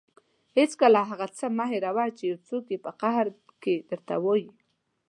هېڅکله هغه څه مه هېروه چې یو څوک یې په قهر کې درته وايي.